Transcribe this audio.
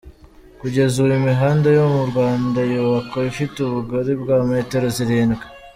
Kugeza ubu imihanda yo mu Rwanda yubakwa ifite ubugari bwa metero zirindwi.